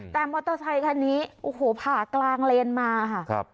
แต่มอเตอร์ไซคันนี้โอ้โหผ่ากลางเลนมาค่ะ